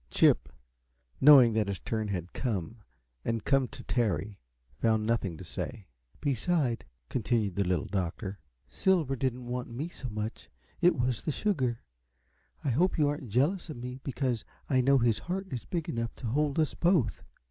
Chip, knowing that his turn had come, and come to tarry, found nothing to say. "Beside," continued the Little Doctor, "Silver didn't want me so much it was the sugar. I hope you aren't jealous of me, because I know his heart is big enough to hold us both."